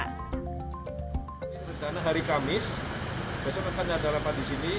pertama hari kamis besok akan ada rapat di sini